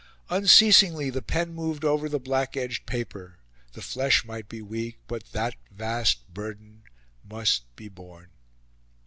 Unceasingly the pen moved over the black edged paper. The flesh might be weak, but that vast burden must be borne.